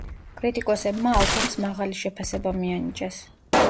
კრიტიკოსებმა ალბომს მაღალი შეფასება მიანიჭეს.